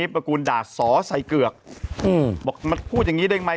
ประกูลด่าสอใส่เกือกบอกมาพูดอย่างนี้ได้ไหม